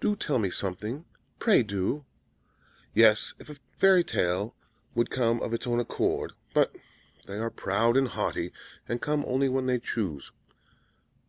"Do tell me something! Pray do!" "Yes, if a fairy tale would come of its own accord; but they are proud and haughty, and come only when they choose.